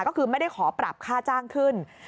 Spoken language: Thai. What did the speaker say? ก็คือไม่ได้ขอปรับค่าจ้างขึ้น